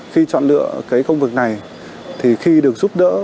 khi chọn lựa cái công việc này thì khi được giúp đỡ